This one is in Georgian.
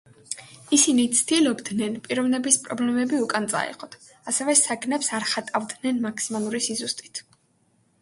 ისინი ცდილობდნენ პიროვნების პრობლემები უკან წაეღოთ, ასევე საგნებს არ ხატავდნენ მაქსიმალური სიზუსტით.